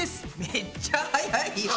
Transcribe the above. めっちゃ速いよ。